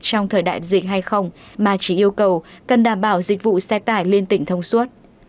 trong thời đại dịch hay không mà chỉ yêu cầu cần đảm bảo dịch vụ xe tải liên tỉnh thông suốt